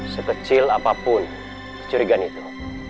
sekecil apapun kecurigaan itu